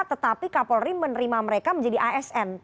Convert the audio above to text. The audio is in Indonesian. tetapi kapolri menerima mereka menjadi asn